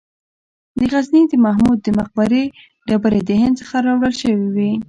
د غزني د محمود د مقبرې ډبرې د هند څخه راوړل شوې وې